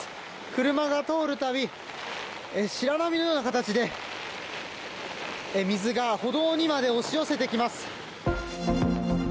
車が通る度、白波のような形で水が歩道にまで押し寄せてきます。